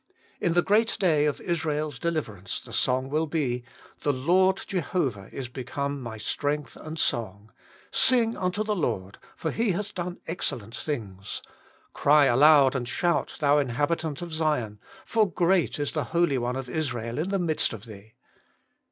In the great day of Israel's deliver ance the song will be, ' The Lord Jehovah is become my strength and song. Sing unto the Lord, for He hath done excellent things. Cry aloud and shout, thou inhabitant of Zion, for great is the Holy One of Israel in the midst of thee.'